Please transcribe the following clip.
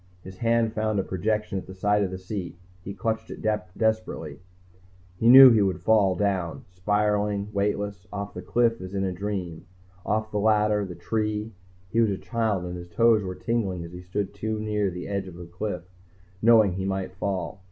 His hand found a projection at the side of the seat. He clutched it desperately. He knew he would fall, down, spiraling, weightless, off the cliff as in a dream, off the ladder, the tree, he was a child and his toes were tingling as he stood too near the edge of the cliff, knowing he might fall.